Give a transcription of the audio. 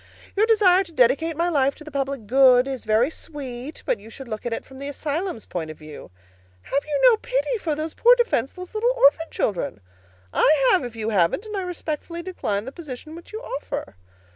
Your desire to dedicate my life to the public good is very sweet, but you should look at it from the asylum's point of view. Have you no pity for those poor defenseless little orphan children? I have, if you haven't, and I respectfully decline the position which you offer.